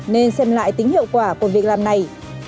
nên xem lại tính hiệu quả của việc làm này